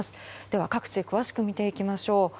では、各地詳しく見ていきましょう。